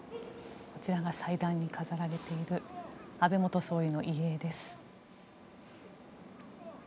こちらが祭壇に飾られている安倍元総理の遺影です。